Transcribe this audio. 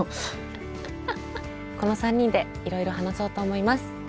この３人でいろいろ話そうと思います。